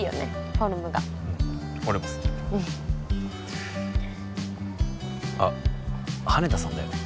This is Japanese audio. フォルムがうん俺も好きあっ羽田さんだよね